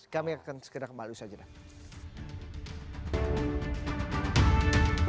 kami akan segera kembali usaha jeda